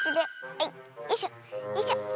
はいよいしょよいしょ。